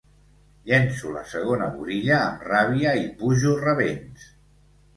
Llenço la segona burilla amb ràbia i pujo rabents.